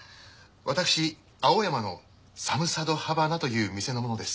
私青山のサムサドハバナという店の者です。